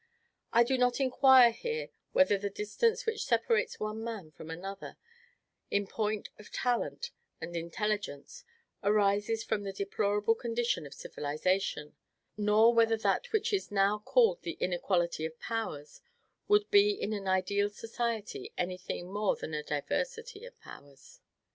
I do not inquire here whether the distance which separates one man from another, in point of talent and intelligence, arises from the deplorable condition of civilization, nor whether that which is now called the INEQUALITY OF POWERS would be in an ideal society any thing more than a DIVERSITY OF POWERS.